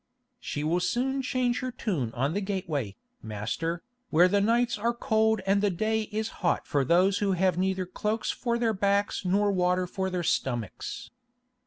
"She will soon change her tune on the gateway, master, where the nights are cold and the day is hot for those who have neither cloaks for their backs nor water for their stomachs.